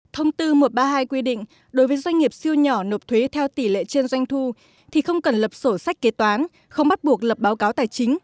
thông tư một trăm ba mươi hai quy định đối với doanh nghiệp siêu nhỏ nộp thuế theo tỷ lệ trên doanh thu thì không cần lập sổ sách kế toán không bắt buộc lập báo cáo tài chính